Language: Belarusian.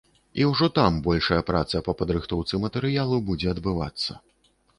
І ўжо там большая праца па падрыхтоўцы матэрыялу будзе адбывацца.